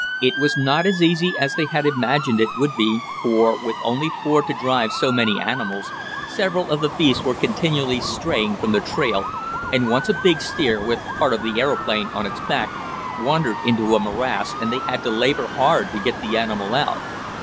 It was not as easy as they had imagined it would be for, with only four to drive so many animals, several of the beasts were continually straying from the trail, and once a big steer, with part of the aeroplane on its back, wandered into a morass and they had to labor hard to get the animal out.